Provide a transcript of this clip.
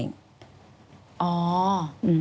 อืม